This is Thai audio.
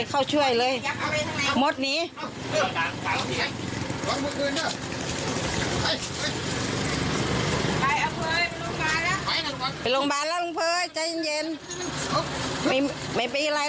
เออเต็มเย็นจ้ะ